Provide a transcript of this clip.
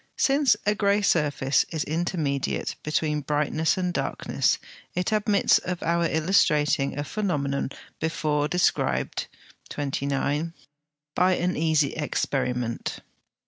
Since a grey surface is intermediate between brightness and darkness, it admits of our illustrating a phenomenon before described (29) by an easy experiment.